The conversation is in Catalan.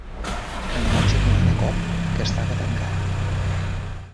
En vaig adonar de cop que estava tancat.